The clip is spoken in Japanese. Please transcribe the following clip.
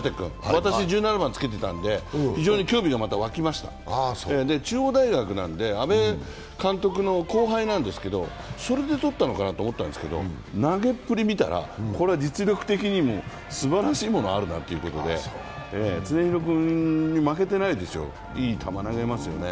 私、１７番つけてたんで、非常に興味が湧きました中央大学で、阿部監督の後輩なんですけどそれでとったのかなと思ったんですけど投げっぷり見たら、実力的にもすばらしいものあるなということで、常廣君に負けてないですよ、いい球、投げますよね。